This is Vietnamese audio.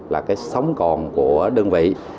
là cái sống còn của đơn vị